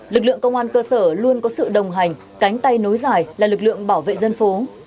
lực lượng công an cơ sở luôn có sự đồng hành cánh tay nối dài là lực lượng bảo vệ dân phố